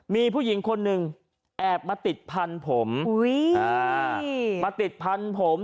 มีผู้หญิงคนหนึ่งแอบมาติดพันธุ์ผมมาติดพันธุ์ผม